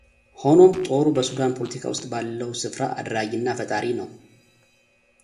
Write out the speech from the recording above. ሆኖም ጦሩ በሱዳን ፖለቲካ ውስጥ ባለው ስፍራ አድራጊና ፈጣሪ ነው።